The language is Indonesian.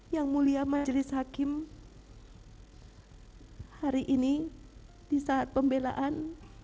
yang mulia majelis hakim hari ini di saat pembelaan